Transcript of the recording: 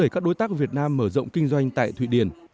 các đối tác việt nam mở rộng kinh doanh tại thụy điển